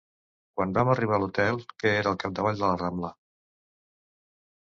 Quan vam arribar a l'Hotel, que era al capdavall de la Rambla